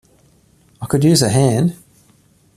I could use a hand.